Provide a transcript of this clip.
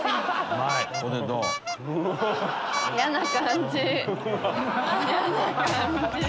嫌な感じ。